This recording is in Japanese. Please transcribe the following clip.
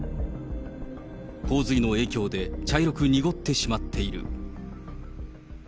洪水の影響で茶色く濁ってしまっている。